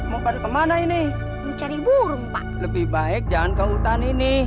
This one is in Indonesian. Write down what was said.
mau baru kemana ini mencari burung pak lebih baik jangan ke hutan ini